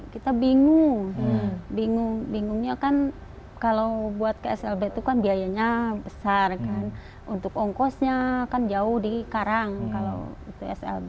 kita bingung bingung bingungnya kan kalau buat ke slb itu kan biayanya besar kan untuk ongkosnya kan jauh di karang kalau slb